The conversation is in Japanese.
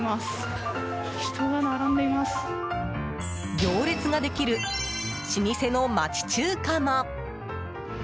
行列ができる老舗の町中華も！